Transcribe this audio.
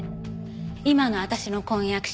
今の私の婚約者